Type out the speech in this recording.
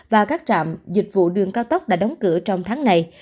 và các trạm dịch vụ đường cao tốc đã đóng cửa trong tháng này